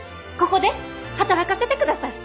ここで働かせてください。